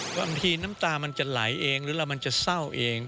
บางทีน้ำตามันจะไหลเองหรือเรามันจะเศร้าเอง